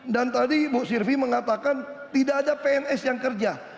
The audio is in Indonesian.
dan tadi ibu sirvi mengatakan tidak ada pns yang kerja